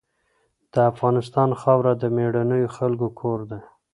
د افغانستان خاوره د مېړنیو خلکو کور دی.